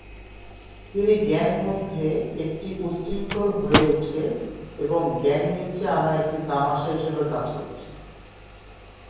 তিনি গ্যাং মধ্যে একটি উচ্ছৃঙ্খল হয়ে ওঠে এবং গ্যাং নিচে আনা একটি তামাশা হিসাবে কাজ করছে।